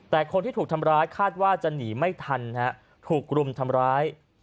แต่คนที่ถูกทำร้ายคาดว่าจะหนีไม่ทันถูกรุมทำร้าย